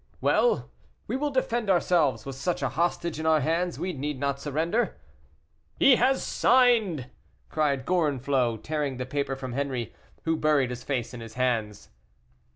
"Well, we will defend ourselves; with such a hostage in our hands, we need not surrender." "He has signed!" cried Gorenflot, tearing the paper from Henri, who buried his face in his hands.